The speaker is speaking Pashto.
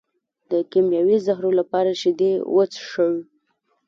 د کیمیاوي زهرو لپاره شیدې وڅښئ